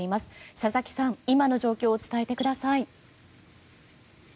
佐々木さん、今の状況を伝えてください。